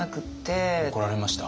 怒られました？